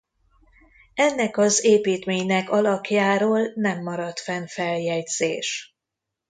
Ennek az építménynek alakjáról nem maradt fenn feljegyzés.